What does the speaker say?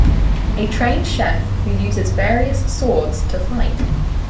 A trained chef who uses various swords to fight.